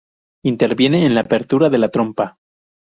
Interviene en la apertura de la trompa.